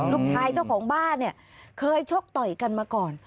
เจ้าของบ้านเนี่ยเคยชกต่อยกันมาก่อน